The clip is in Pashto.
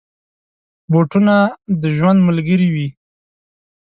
بوټونه د ژوند ملګري وي.